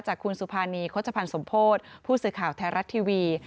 จากคุณสุภานีโฆษภัณฑ์สมโพธิผู้สื่อข่าวไทยรัฐทีวี